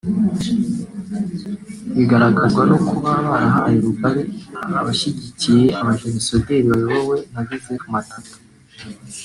bigaragazwa no kuba barahaye rugari abashyigikiye abajenosideri bayobowe na Joseph Matata